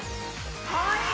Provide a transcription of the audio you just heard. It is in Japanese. かわいい？